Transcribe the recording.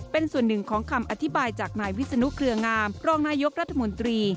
เป็นส่วนหนึ่งของคำอธิบายจากนายวิศนุเครืองามรองนายกรัฐมนตรี